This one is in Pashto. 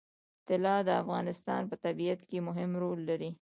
طلا د افغانستان په طبیعت کې مهم رول لري.